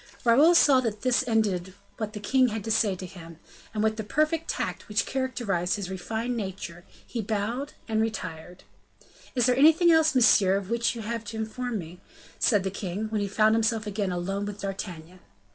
Raoul saw that this ended what the king had to say to him. And with the perfect tact which characterized his refined nature, he bowed and retired. "Is there anything else, monsieur, of which you have to inform me?" said the king, when he found himself again alone with D'Artagnan.